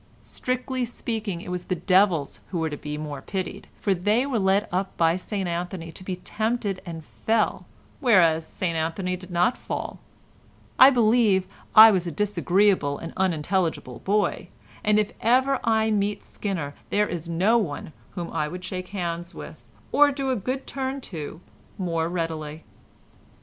Strictly speaking, it was the devils who were the more to be pitied, for they were led up by St Anthony to be tempted and fell, whereas St Anthony did not fall. I believe I was a disagreeable and unintelligible boy, and if ever I meet Skinner there is no one whom I would shake hands with, or do a good turn to more readily."